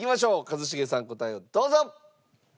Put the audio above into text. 一茂さん答えをどうぞ！